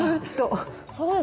そうですね。